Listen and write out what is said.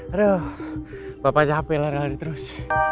aduh bapak capek lari lari terus